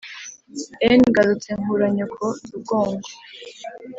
n, garutse nkura nyoko rugongo